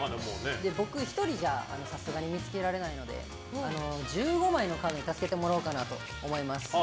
僕１人じゃさすがに見つけられないので１５枚のカードに助けてもらおうと思います。